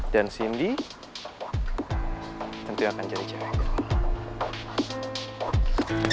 dan cindy tentunya akan jadi cewek gue